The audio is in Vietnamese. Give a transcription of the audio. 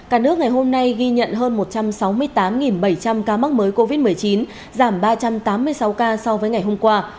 cả nước ngày hôm nay ghi nhận hơn một trăm sáu mươi tám bảy trăm linh ca mắc mới covid một mươi chín giảm ba trăm tám mươi sáu ca so với ngày hôm qua